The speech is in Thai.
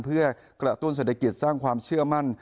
เพื่อกระตุ้นเศรษฐกิจสร้างความเชื่อมั่น